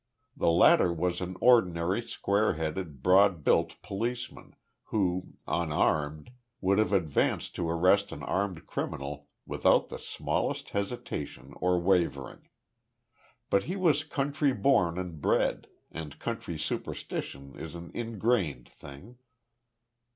The latter was an ordinary square headed, broad built policeman, who, unarmed, would have advanced to arrest an armed criminal without the smallest hesitation or wavering. But he was country born and bred, and country superstition is an ingrained thing.